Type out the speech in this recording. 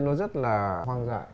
nó rất là hoang dại